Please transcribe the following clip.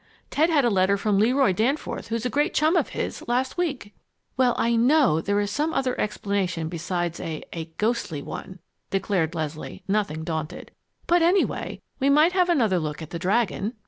Ted had a letter from Leroy Danforth, who is a great chum of his, last week." "Well, I know there is some other explanation besides a a ghostly one!" declared Leslie, nothing daunted. "But anyway, we might have another look at the dragon."